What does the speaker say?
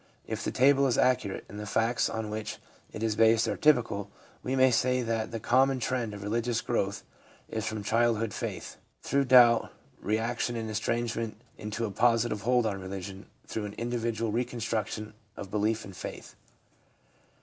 If the table is accurate, and the facts on which it is based are typical, we may say that the common tre?id of religious gi'owth is from childhood faith, through doubt, reaction and estrangement, into a positive hold on religion, through an individual reconstruction of belief and faith.